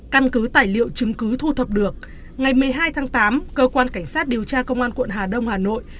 căn cứ tài liệu chứng cứ thu thập được ngày một mươi hai tháng tám cơ quan cảnh sát điều tra công an quận hà đông hà nội